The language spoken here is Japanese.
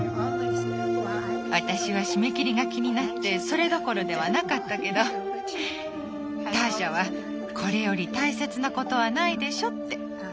私は締め切りが気になってそれどころではなかったけどターシャは「これより大切なことはないでしょ」って。